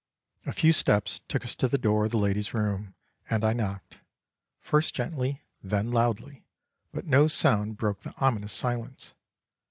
A few steps took us to the door of the lady's room, and I knocked, first gently, then loudly, but no sound broke the ominous silence.